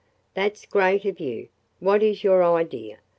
"That 's great of you! What is your idea?